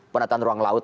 penataan ruang laut